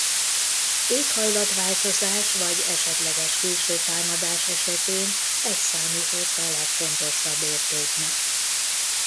Éghajlatváltozás vagy esetleges külső támadás esetén ez számított a legfontosabb értéknek.